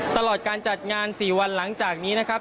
ตลอดการจัดงาน๔วันหลังจากนี้นะครับ